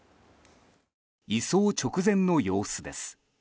移送直前の様子です。